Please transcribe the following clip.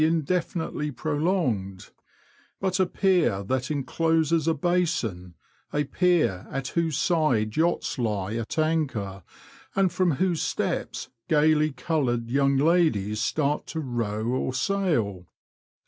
19 indefinitely prolonged, but a pier that encloses a basin, a pier at whose side yachts lie at anchor, and from whose steps gaily dressed young ladies start to row or sail."